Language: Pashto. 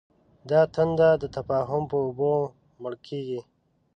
دا تنده د تفاهم په اوبو مړ کېږي.